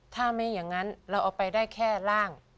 ถ้าไม่อย่างนั้นเราเอาไปได้แค่ร่าง